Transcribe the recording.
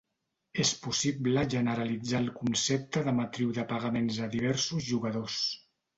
És possible generalitzar el concepte de matriu de pagaments a diversos jugadors.